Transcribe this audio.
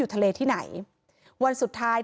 มีเรื่องอะไรมาคุยกันรับได้ทุกอย่าง